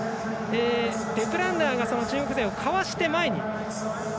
デプルンナーが中国勢をかわして前に。